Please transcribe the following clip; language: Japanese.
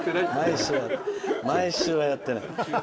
毎週はやってない。